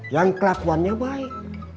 yang kelakuannya baik